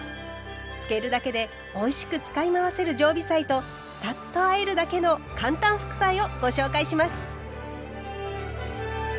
つけるだけでおいしく使い回せる常備菜とサッとあえるだけの簡単副菜をご紹介します。